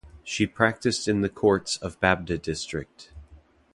She practiced in the courts of Baabda District.